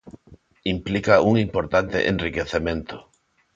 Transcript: Implica un importante enriquecemento.